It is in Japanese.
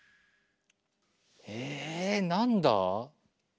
えなんだ？